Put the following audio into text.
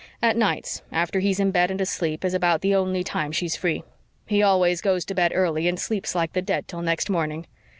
At nights, after he's in bed and asleep, is about the only time she's free. He always goes to bed early and sleeps like the dead till next morning.